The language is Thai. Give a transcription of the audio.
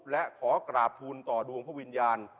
และขอกราบทูลต่อดวงพระวิญญาณ